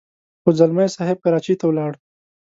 خو ځلمی صاحب کراچۍ ته ولاړ.